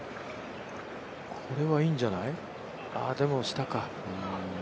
これはいいんじゃない、ああでも下か。